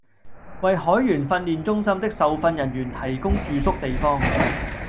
為海員訓練中心的受訓人員提供住宿地方